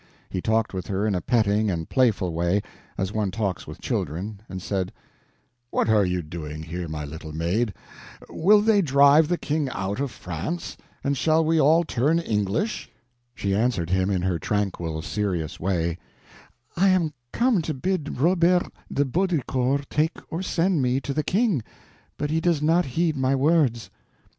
He talked with her in a petting and playful way, as one talks with children, and said: "What are you doing here, my little maid? Will they drive the King out of France, and shall we all turn English?" She answered him in her tranquil, serious way: "I am come to bid Robert de Baudricourt take or send me to the King, but he does not heed my words."